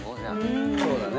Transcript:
そうだね。